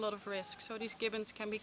jadi keputusan ini bisa dibunuh oleh anjing